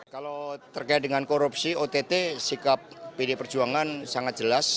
kalau terkait dengan korupsi ott sikap pdi perjuangan sangat jelas